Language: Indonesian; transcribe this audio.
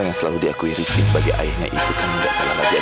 gak ada rizky aku harus ketemu sama dia